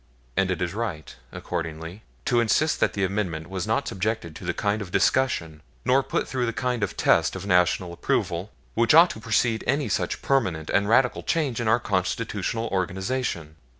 And it is right, accordingly, to insist that the Amendment was not subjected to the kind of discussion, nor put through the kind of test of national approval, which ought to precede any such permanent and radical change in our Constitutional organization.